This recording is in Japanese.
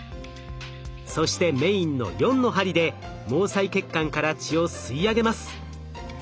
そしてメインの４の針で毛細血管から血を吸い上げます。